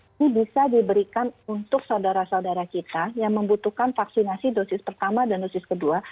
ini bisa diberikan untuk saudara saudara kita yang membutuhkan vaksinasi dosis pertama dan dosis kedua